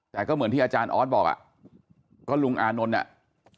แต่ก็เหมือนที่อาจารย์ออสบอกอ่ะก็ลุงอานนท์อ่ะ